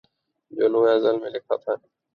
جو لوح ازل میں لکھا ہے